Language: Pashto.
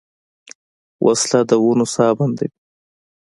وسله د ونو ساه بندوي